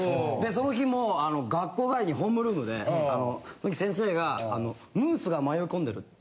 でその日も学校帰りにホームルームで先生がムースが迷い込んでる。